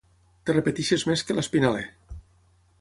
Et repeteixes més que l'Espinaler.